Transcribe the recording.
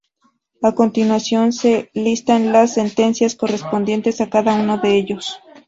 A continuación se listan las sentencias correspondientes a cada uno de ellos.